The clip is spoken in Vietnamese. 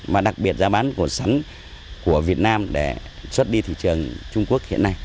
mà đặc biệt giá bán của sắn của việt nam để xuất đi thị trường trung quốc hiện nay